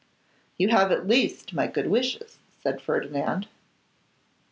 'You have at least my good wishes,' said Ferdinand.